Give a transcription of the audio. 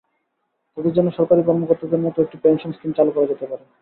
তাঁদের জন্য সরকারি কর্মকর্তাদের মতো একটি পেনশন স্কিম চালু করা যেতে পারে।